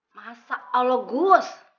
masa allah gus